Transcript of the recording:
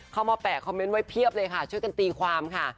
มาแปะคอมเมนต์ไว้เพียบเลยค่ะช่วยกันตีความค่ะ